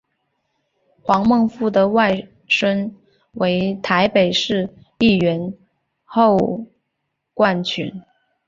黄孟复的外甥为台北市议员侯冠群。